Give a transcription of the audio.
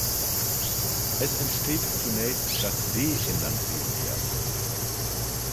Es entsteht zunächst das D-Enantiomer.